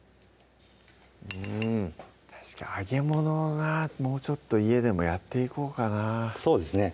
うん揚げ物なもうちょっと家でもやっていこうかなぁそうですね